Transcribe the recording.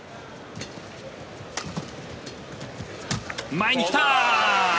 前に来た！